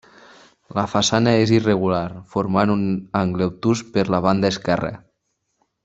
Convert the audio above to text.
La façana és irregular, formant un angle obtús per la banda esquerra.